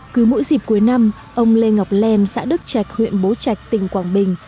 cứ mỗi dịp cuối năm ông lê ngọc len xã đức trạch huyện bố trạch tỉnh quảng bình